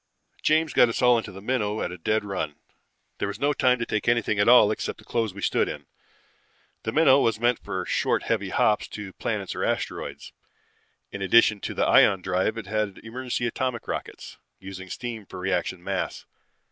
"James got us all into the Minnow at a dead run. There was no time to take anything at all except the clothes we stood in. The Minnow was meant for short heavy hops to planets or asteroids. In addition to the ion drive it had emergency atomic rockets, using steam for reaction mass.